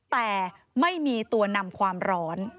แต่ไม่มีตัวนำความร้อน